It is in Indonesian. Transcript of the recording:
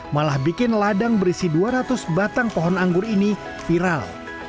malah bikin ladang berisi dua ratus batang pohon anggur ini viral